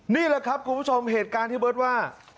นี่แหละครับคุณผู้ชมเหตุการณ์ที่เบิร์ตว่า